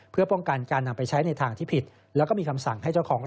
เพื่อป้องกันการนำไปใช้ในทางที่ผิดแล้วก็มีคำสั่งให้เจ้าของ